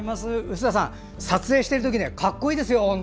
臼田さん、撮影しているとき格好いいですよ！